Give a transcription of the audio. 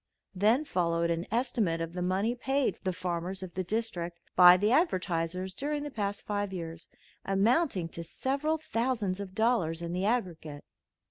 Then followed an estimate of the money paid the farmers of the district by the advertisers during the past five years, amounting to several thousands of dollars in the aggregate.